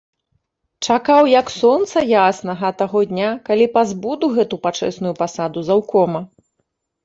Чакаў, як сонца яснага, таго дня, калі пазбуду гэту пачэсную пасаду заўкома.